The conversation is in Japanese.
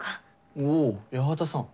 おお八幡さん。